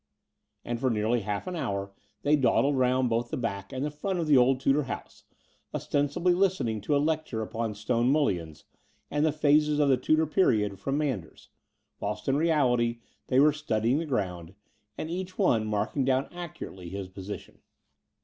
And for nearly half an hour they dawdled rotmd both the back and the front of the old Tudor hotise, ostensibly listening to a lecture upon stone mullions and the phases of the Tudor period from Manders, whilst in reality they were studjring the ground, and each one marking down accurately his position.